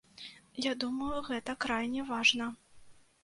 Я думаю, гэта крайне важна.